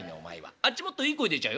「あっちもっといい声出ちゃうよ。